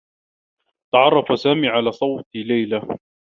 تعرّف سامي على صوت ليلى.